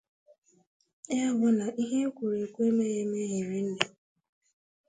Ya bụ na ihe e kwuru ekwu e meghị eme hiri nne